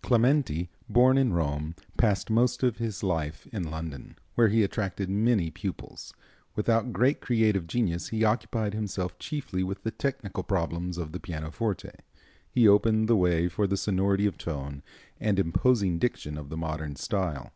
Clementi, born in Rome, passed most of his life in London, where he attracted many pupils. Without great creative genius, he occupied himself chiefly with the technical problems of the pianoforte. He opened the way for the sonority of tone and imposing diction of the modern style.